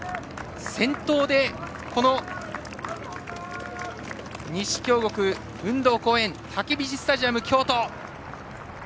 先頭で、西京極運動公園たけびしスタジアム京都。